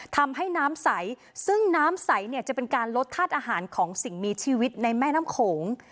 ทำให้น้ำใสซึ่งน้ำใสเนี่ยจะเป็นการลดธาตุอาหารของสิ่งมีชีวิตในแม่น้ำโขง